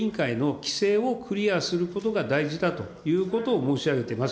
基準をクリアすることが大事だということを申し上げております。